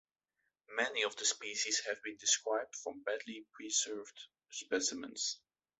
Many of the species have been described from badly preserved specimens.